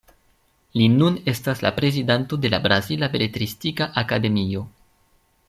Li nun estas la prezidanto de la Brazila Beletristika Akademio.